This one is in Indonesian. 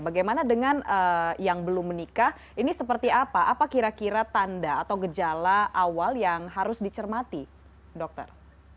bagaimana dengan yang belum menikah ini seperti apa apa kira kira tanda atau gejala awal yang harus dicermati dokter